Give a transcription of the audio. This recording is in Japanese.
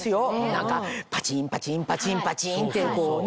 何かパチンパチンパチンパチンってこうね。